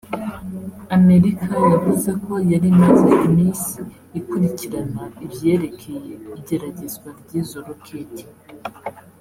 Amerika yavuze ko yari imaze imisi ikurikirana ivyerekeye igeragezwa ry'izo roketi